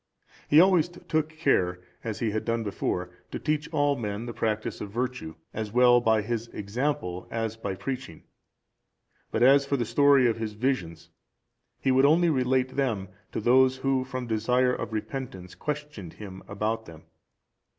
He always took care, as he had done before, to teach all men the practice of virtue, as well by his example, as by preaching. But as for the story of his visions, he would only relate them to those who, from desire of repentance, questioned him about them.